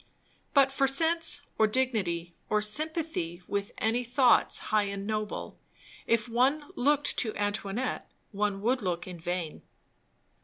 But for sense, or dignity, or sympathy with any thoughts high and noble, if one looked to Antoinette one would look in vain.